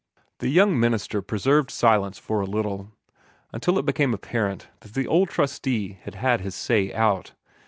The young minister preserved silence for a little, until it became apparent that the old trustee had had his say out.